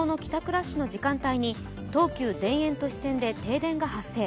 ラッシュの時間帯に東急・田園都市線で停電が発生。